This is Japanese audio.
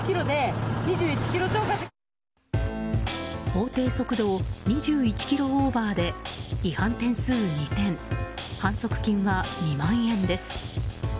法定速度を２１キロオーバーで違反点数２点反則金は２万円です。